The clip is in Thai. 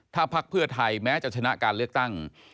ถ้าพักเพื่อไทยแม้จะชนะการเลือกตั้ง